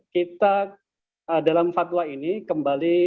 kita dalam fatwa ini kembali